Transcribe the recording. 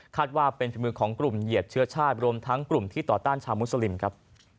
ว่าเป็นฝีมือของกลุ่มเหยียดเชื้อชาติรวมทั้งกลุ่มที่ต่อต้านชาวมุสลิมครับ